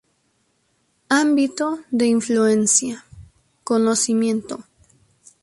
Ámbito de influencia: Conocimiento.